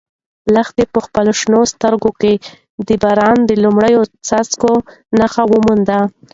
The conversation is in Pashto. لښتې په خپلو شنه سترګو کې د باران د لومړي څاڅکي نښان وموند.